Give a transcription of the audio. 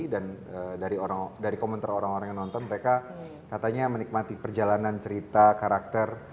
dan dari komentar orang orang yang nonton mereka katanya menikmati perjalanan cerita karakter